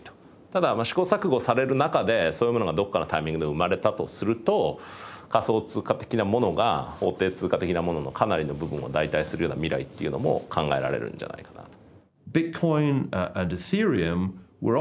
ただ試行錯誤される中でそういうものがどこかのタイミングで生まれたとすると仮想通貨的なものが法定通貨的なもののかなりの部分を代替するような未来っていうのも考えられるんじゃないかなと。